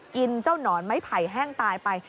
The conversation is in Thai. กินเจ้าหนอนไม้ไผ่แห้งตายไป